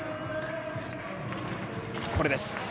これです。